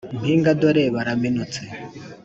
impinga dore baraminutse.